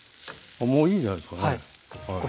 もういいんじゃないですかね。